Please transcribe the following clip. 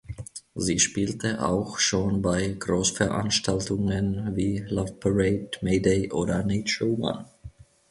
Sie spielte auch schon bei Großveranstaltungen wie Loveparade, Mayday oder Nature One.